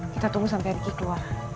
kita tunggu sampe riky keluar